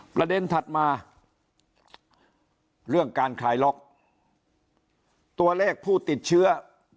ถัดมาเรื่องการคลายล็อกตัวเลขผู้ติดเชื้อ